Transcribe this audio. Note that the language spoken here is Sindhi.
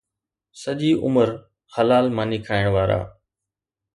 سڄي عمر حلال ماني کائڻ وارا